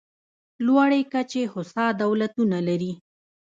لوړې کچې هوسا دولتونه لري.